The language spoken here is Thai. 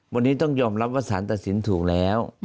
วันนี้ต้องยอมรับว่าสารตัดสินถูกแล้ว